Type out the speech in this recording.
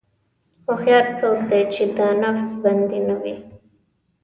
هوښیار څوک دی چې د نفس بندي نه وي.